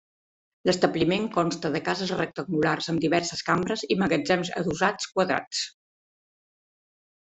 L'establiment consta de cases rectangulars amb diverses cambres, i magatzems adossats quadrats.